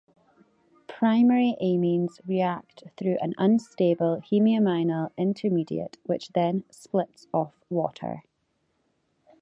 Primary amines react through an unstable hemiaminal intermediate which then splits off water.